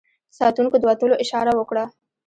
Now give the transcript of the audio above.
ساتونکو د وتلو اشاره وکړه.